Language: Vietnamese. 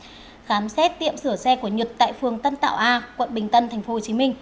khi đó khám xét tiệm sửa xe của nhật tại phường tân tạo a quận bình tân tp hcm